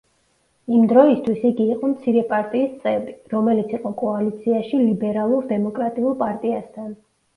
იმ დროისთვის იგი იყო მცირე პარტიის წევრი, რომელიც იყო კოალიციაში ლიბერალურ-დემოკრატიულ პარტიასთან.